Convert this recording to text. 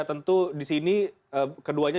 tentu di sini keduanya